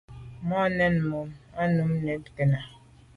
Màa nèn mum nà i num neywit kena.